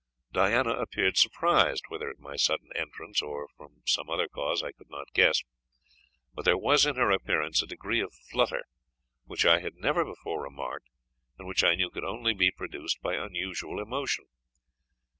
Diana appeared surprised, whether at my sudden entrance, or from some other cause, I could not guess; but there was in her appearance a degree of flutter, which I had never before remarked, and which I knew could only be produced by unusual emotion.